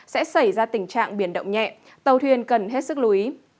sẽ xảy ra tình trạng biển động nhẹ tàu thuyền cần hết sức lưu ý